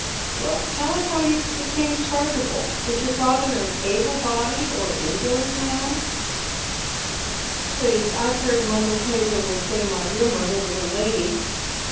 " Well, tell us how you became chargeable ? Was your father an able bodied or in doors man ?" PAYED WITH GOLD. 51 " Please, I've heard mother Hazlewood say my real mother was a lady."